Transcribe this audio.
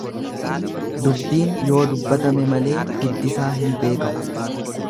Dubbiin yoo dubbatame malee hiddisaa hin beekamu.